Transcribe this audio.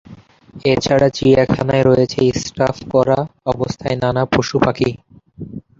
এছাড়া চিড়িয়াখানায় রয়েছে স্টাফ করা অবস্থায় নানা পশুপাখি।